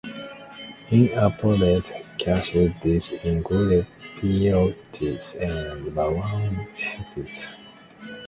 In appropriate cases, this included peerages and baronetcies.